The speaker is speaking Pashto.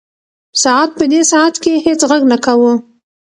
ساعت په دې ساعت کې هیڅ غږ نه کاوه.